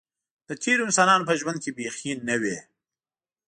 د تېرو انسانانو په ژوند کې بیخي نه وې.